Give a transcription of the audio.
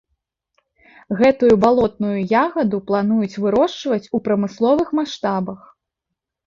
Гэтую балотную ягаду плануюць вырошчваць у прамысловых маштабах.